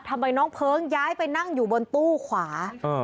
ทำไมน้องเพลิงย้ายไปนั่งอยู่บนตู้ขวา